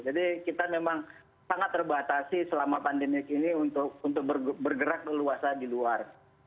jadi kita memang sangat terbatasi selama pandemi ini untuk bergerak ke luasnya di luar